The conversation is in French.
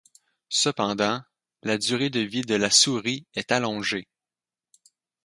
Cependant, la durée de vie de la souris est allongée.